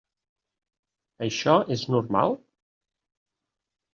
Això és normal?